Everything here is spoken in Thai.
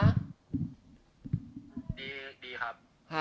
ดีครับ